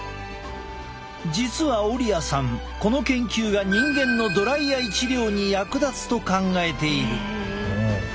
実はオリアさんこの研究が人間のドライアイ治療に役立つと考えている。